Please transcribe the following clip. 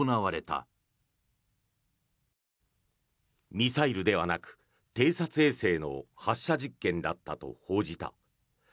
ミサイルではなく偵察衛星の発射実験だったと報じた。